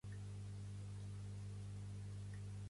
Pertany al moviment independentista la Remei?